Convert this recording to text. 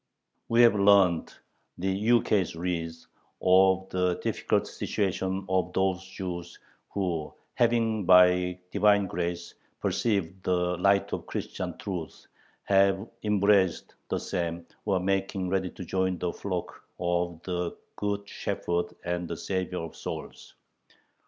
We have learned the ukase reads of the difficult situation of those Jews who, having by Divine Grace perceived the light of Christian truth, have embraced the same, or are making ready to join the flock of the good Shepherd and the Savior of souls.